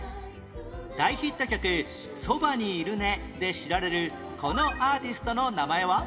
大ヒット曲『そばにいるね』で知られるこのアーティストの名前は？